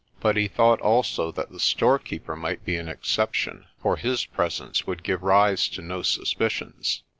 But he thought also that the storekeeper might be an exception, for his presence would give rise to no suspicions.